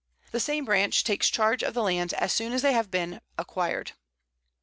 The same branch takes charge of the lands as soon as they have been acquired.